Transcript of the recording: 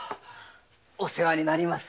お世話になります。